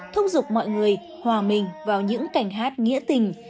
thúc giục mọi người hòa mình vào những cảnh hát nghĩa tình